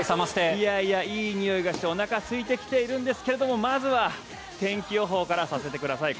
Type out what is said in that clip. いやいや、いいにおいがしておなかすいてきているんですがまずは天気予報からさせてください。